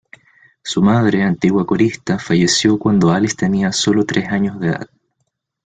Su madre, antigua corista, falleció cuando Alice tenía solo tres años de edad.